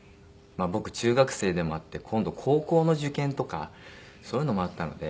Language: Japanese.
僕中学生でもあって今度高校の受験とかそういうのもあったので。